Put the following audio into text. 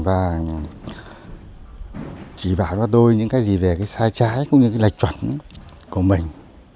và chỉ bảo cho tôi những cái gì về cái sai trái cũng như cái lệch chuẩn của mình